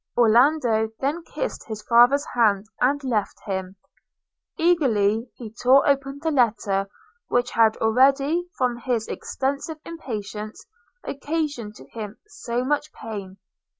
Orlando then kissed his father's hand, and left him. Eagerly he tore open the letter, which had already, from his excessive impatience, occasioned to him so much pain.